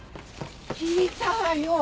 聞いたわよ。